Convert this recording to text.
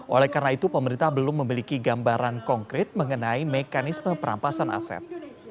oleh karena itu pemerintah belum memiliki gambaran konkret mengenai mekanisme perampasan aset